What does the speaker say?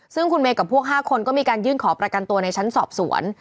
ซึ่งคุณเมย์กับพวก๕คนก็มีการยื่นขอประกันตัวในชั้นสอบสวน